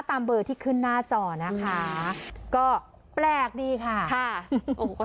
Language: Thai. ตามเบอร์ที่ขึ้นหน้าจอนะคะก็แปลกดีค่ะค่ะโอ้โห